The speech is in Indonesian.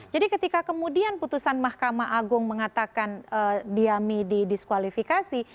jadi ketika kemudian putusan mahkamah agung mengatakan diami didiskualifikasi